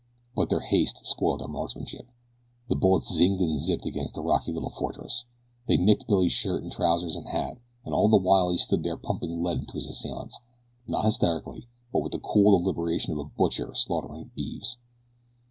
But their haste spoiled their marksmanship. The bullets zinged and zipped against the rocky little fortress, they nicked Billy's shirt and trousers and hat, and all the while he stood there pumping lead into his assailants not hysterically; but with the cool deliberation of a butcher slaughtering beeves.